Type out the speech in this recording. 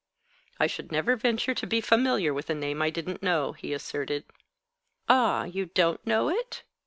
"I should never venture to be familiar with a name I didn't know," he asserted. "Ah, you don't know it?